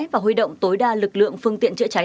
và huy động tối đa lực lượng phương tiện trễ trái